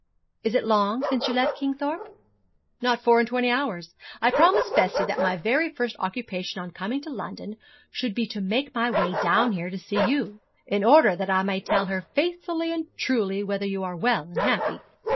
'Is it long since you left Kingthorpe?' 'Not four and twenty hours. I promised Bessie that my very first occupation on coming to London should be to make my way down here to see you, in order that I may tell her faithfully and truly whether you are well and happy.